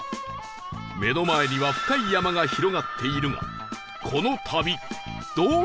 目の前には深い山が広がっているが